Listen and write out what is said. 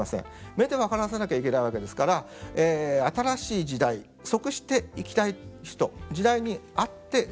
目で分からせなければいけないわけですから新しい時代則していきたい人時代に合って進んでいける人は洋髪。